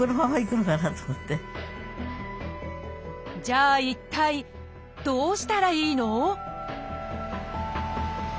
じゃあ一体どうしたらいいの？